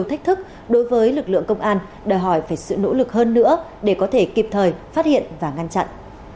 thách thức đối với lực lượng công an đòi hỏi phải sự nỗ lực hơn nữa để có thể kịp thời phát hiện và ngăn chặn